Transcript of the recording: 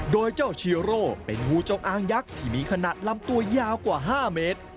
โดยเจ้าชีโร่เป็นงูจงอางยักษ์ที่มีขนาดลำตัวยาวกว่า๕เมตร